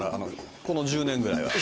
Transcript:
この１０年ぐらいは。